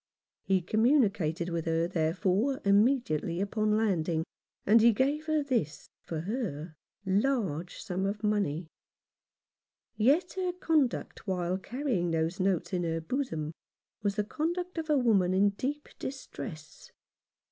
He communi cated with her, therefore, immediately upon landing, and he gave her this, for her, large sum of money. Yet her conduct while carrying those notes in her bosom was the conduct of a woman in deep distress.